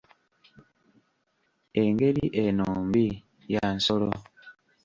Engeri eno mbi, ya nsolo.